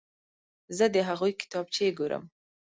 زه د هغوی کتابچې ګورم.